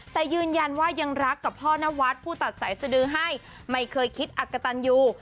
แต่ยืนยันว่ายังรักกับพ่อนวัดผู้ตัดสายสดือให้ไม่เคยคิดอักกะตันยู